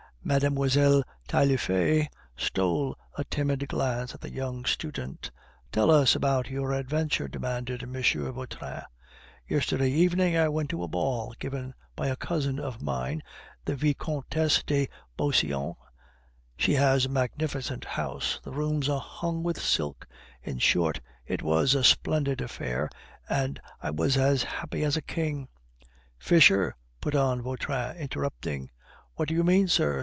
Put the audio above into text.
Mlle. Taillefer stole a timid glance at the young student. "Tell us about your adventure!" demanded M. Vautrin. "Yesterday evening I went to a ball given by a cousin of mine, the Vicomtesse de Beauseant. She has a magnificent house; the rooms are hung with silk in short, it was a splendid affair, and I was as happy as a king " "Fisher," put in Vautrin, interrupting. "What do you mean, sir?"